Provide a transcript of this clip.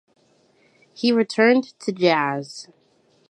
He returned to jazz.